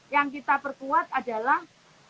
yang kita berkuat adalah